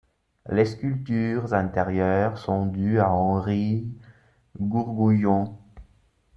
Les sculptures intérieures sont dues à Henri Gourgouillon.